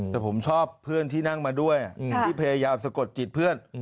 แต่ผมชอบเพื่อนที่นั่งมาด้วยที่พยายามสะกดจิตเพื่อน